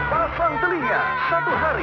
pasang telinga satu hari bisa jadi artis